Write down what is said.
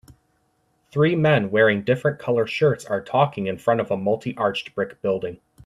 Three men wearing different color shirts are talking in front of a multiarched brick building.